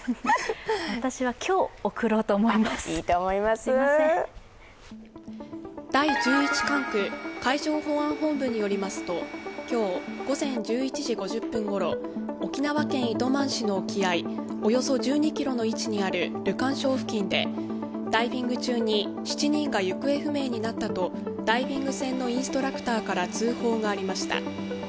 ただ、やっぱり本音は第十一管区海上保安本部によりますと、今日、午前１１時５０分ごろ、沖縄県糸満市の沖合およそ１２ｋｍの位置にあるルカン礁付近でダイビング中に７人が行方不明になったとダイビング船のインストラクターから通報がありました。